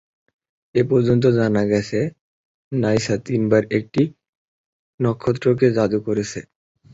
এ পর্যন্ত জানা গেছে, নাইসা তিনবার একটি নক্ষত্রকে জাদু করেছে।